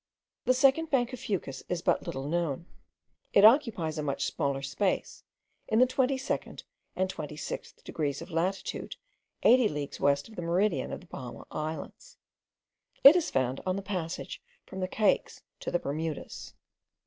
The second bank of Fucus is but little known; it occupies a much smaller space, in the twenty second and twenty sixth degrees of latitude, eighty leagues west of the meridian of the Bahama Islands. It is found on the passage from the Caiques to the Bermudas.